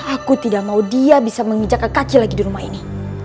aku tidak mau dia bisa menginjak kaci lagi di rumah ini